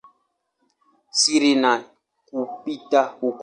siri na kupita huko.